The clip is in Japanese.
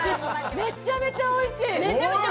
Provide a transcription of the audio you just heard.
めちゃめちゃおいしい！